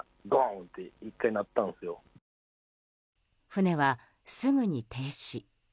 船はすぐに停止。